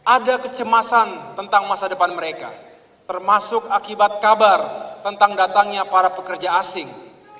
ada kecemasan tentang masa depan mereka termasuk akibat kabar tentang datangnya para pekerja asing